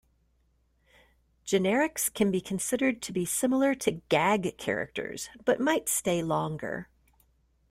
Generics can be considered to be similar to gag characters, but might stay longer.